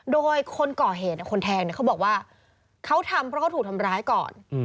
โดยคนก่อเหตุคนแทงเขาบอกว่าเขาทำเพราะเขาถูกทำร้ายก่อน